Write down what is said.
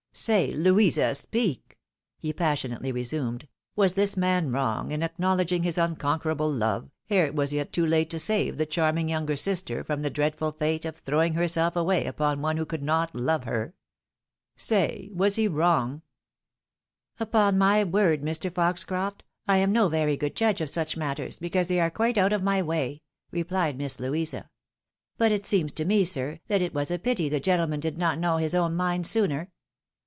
" Say, Louisa ! speak !" he passionately resumed ;" was this man wrong in acknowledging his unconquerable love, ere it was yet too late to save the charming younger sister from the dreadful fate of throwing herself away upon one who could not love her ? Say, was he wrong ?" .J/f>z>'z^2r' y.'ut/i^i'Ui^/irc a€.<r/a'(^(^€^i/ A DECIDED REFUSAL. 289 " Upon my word, Mr. Foxoroft, I am no very good judge of such matters, because they are quite out of my way," replied , Miss Louisa. " But it seems to me, sir, that it was a pity the . gentleman did not know his own mind sooner."